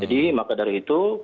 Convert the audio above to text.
jadi makadari itu